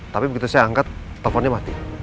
tapi begitu saya angkat telponnya mati